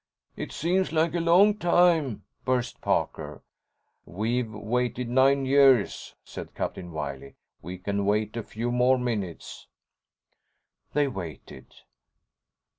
"It seems like a long time!" burst Parker. "We've waited nine years," said Captain Wiley. "We can wait a few more minutes." They waited.